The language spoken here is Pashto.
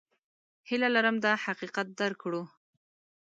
هیله لرم دا حقیقت درک کړو.